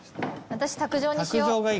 私卓上にしよう。